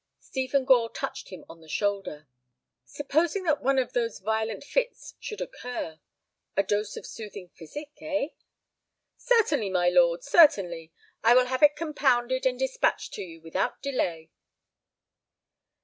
Stephen Gore touched him on the shoulder. "Supposing that one of those violent fits should occur? A dose of soothing physic, eh?" "Certainly, my lord, certainly. I will have it compounded and despatched to you without delay."